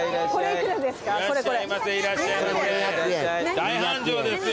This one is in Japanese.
大繁盛ですよ。